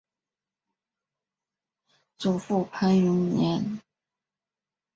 祖父潘永年。